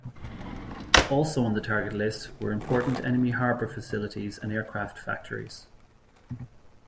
Also on the target list were important enemy harbor facilities and aircraft factories.